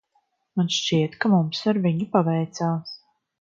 Man gan šķiet, ka mums ar viņu paveicās.